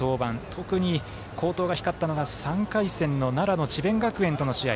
特に好投が光ったのが３回戦の奈良の智弁学園との試合。